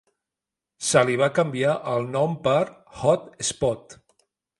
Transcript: Se li va canviar el nom per "Hot Spot".